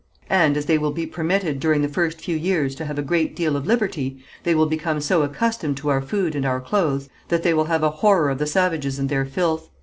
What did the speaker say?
And, as they will be permitted during the first few years to have a great deal of liberty, they will become so accustomed to our food and our clothes that they will have a horror of the savages and their filth.